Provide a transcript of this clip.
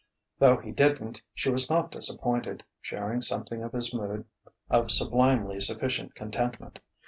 Though he didn't, she was not disappointed, sharing something of his mood of sublimely sufficient contentment.